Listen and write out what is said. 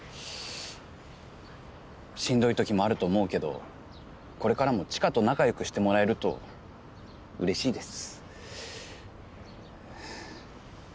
しんどいときもあると思うけどこれからも知花と仲良くしてもらえるとうれしいです。